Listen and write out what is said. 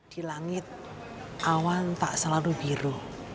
di langit awan tak selalu biru